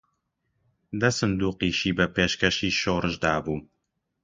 دە سندووقیشی بە پێشکەشی شۆڕش دابوو